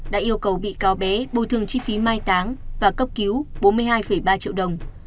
đã yêu cầu bị cáo bé bồi thường chi phí mai táng và cấp cứu bốn mươi hai ba triệu đồng